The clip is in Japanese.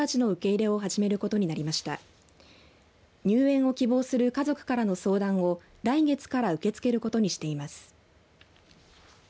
入園を希望する家族からの相談を来月から受け付けることにしています。